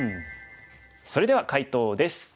それでは解答です。